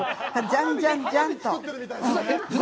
じゃんじゃんじゃんと。